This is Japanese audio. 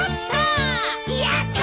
やったー！